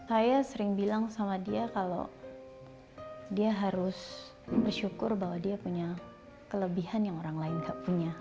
saya sering bilang sama dia kalau dia harus bersyukur bahwa dia punya kelebihan yang orang lain gak punya